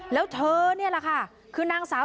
แล้วเธอนี่แหละค่ะคือนางสาว